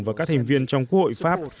và các thành viên trong quốc hội pháp